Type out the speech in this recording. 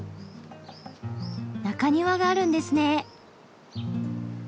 中庭があるんですね！